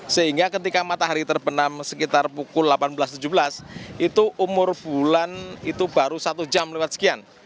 sehingga ketika matahari terbenam sekitar pukul delapan belas tujuh belas itu umur bulan itu baru satu jam lewat sekian